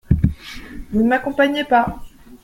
Vous ne n’accompagnez pas ?…